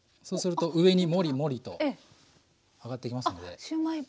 そうすると上にモリモリと上がってきますので。